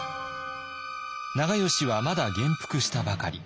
長慶はまだ元服したばかり。